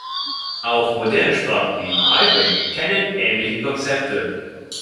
Auch moderne Sprachen wie Python kennen ähnliche Konzepte.